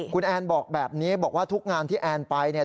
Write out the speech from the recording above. คุณแอนบอกแบบนี้บอกว่าทุกงานที่แอนไปเนี่ย